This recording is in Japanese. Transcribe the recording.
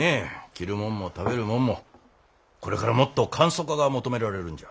着るもんも食べるもんもこれからもっと簡素化が求められるんじゃ。